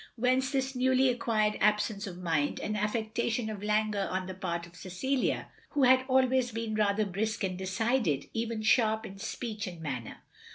Whence this newly acquired absence of mind, and affectation of languor on the part of Cecilia, who had always been rather brisk and decided, «ven sharp, in speech and manner?